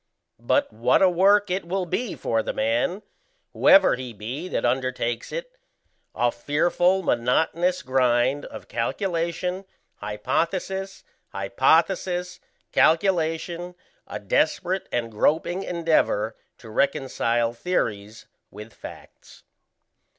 But what a work it will be for the man, whoever he be that undertakes it a fearful monotonous grind of calculation, hypothesis, hypothesis, calculation, a desperate and groping endeavour to reconcile theories with facts.